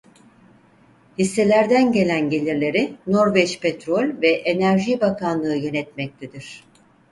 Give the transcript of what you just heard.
Hisselerden gelen gelirleri Norveç Petrol ve Enerji Bakanlığı yönetmektedir.